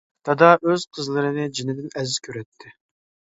دادا ئۆز قىزلىرىنى جىنىدىن ئەزىز كۆرەتتى.